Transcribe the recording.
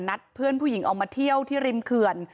นัดเพื่อนผู้หญิงออกมาเที่ยวที่ริมเขื่อน